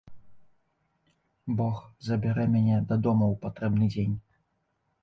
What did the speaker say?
Бог забярэ мяне дадому ў патрэбны дзень.